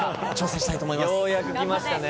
ようやく来ましたね。